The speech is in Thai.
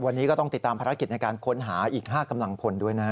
วันนี้ก็ต้องติดตามภารกิจในการค้นหาอีก๕กำลังพลด้วยนะฮะ